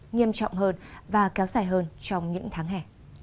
nghiêm trọng hơn và kéo dài hơn trong những tháng hè